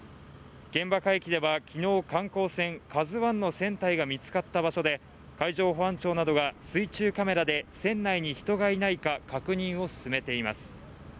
現場海域ではきのう観光船「ＫＡＺＵ１」の船体が見つかった場所で海上保安庁などが水中カメラで船内に人がいないか確認を進めています